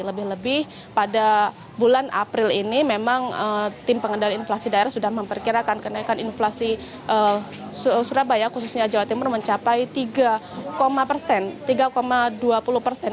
lebih lebih pada bulan april ini memang tim pengendalian inflasi daerah sudah memperkirakan kenaikan inflasi surabaya khususnya jawa timur mencapai tiga persen dua puluh persen